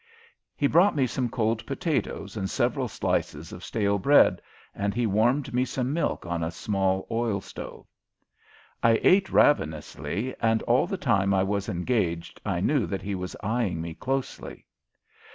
He brought me some cold potatoes and several slices of stale bread, and he warmed me some milk on a small oil stove. I ate ravenously, and all the time I was engaged I knew that he was eying me closely.